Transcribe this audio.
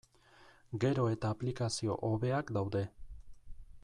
Gero eta aplikazio hobeak daude.